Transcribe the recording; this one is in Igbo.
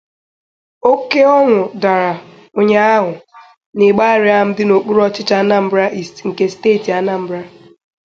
Oke ọñụ dara ụnyaahụ n'Ịgbarịam dị n'okpuru ọchịchị 'Anambra East' nke steeti Anambra